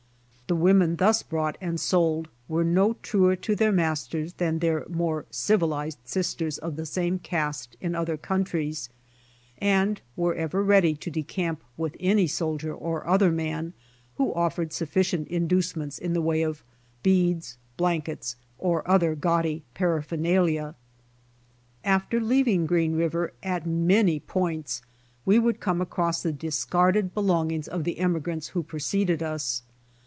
The women thus bought and sold were no truer to their masters than their more civilized sisters of the same caste in other countries and were ever ready to decamp with any soldier or other man who offered sufficient inducements in the way of beads, blankets, or other gaudy paraphernalia. After leaving Green river at many points we would come across the discarded belongings of the emigrants wbo preceded us.